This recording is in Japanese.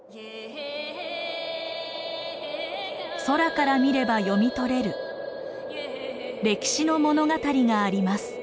空から見れば読み取れる歴史の物語があります。